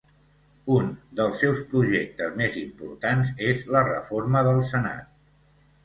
Un dels seus projectes més importants és la reforma del Senat.